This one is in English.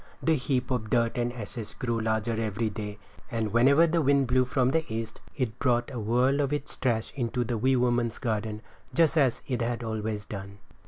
The heap of dirt and ashes grew larger every day; and whenever the wind blew from the east it brought a whirl of its trash into the wee woman's garden just as it had always done.